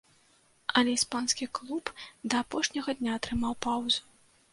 Але іспанскі клуб да апошняга дня трымаў паўзу.